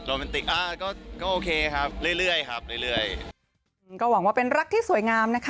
โรแมนติกก็โอเคครับเรื่อยครับเรื่อย